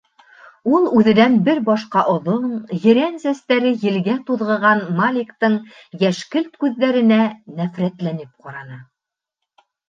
Ул үҙенән бер башҡа оҙон, ерән сәстәре елгә туҙғыған Маликтың йәшкелт күҙҙәренә нәфрәтләнеп ҡараны.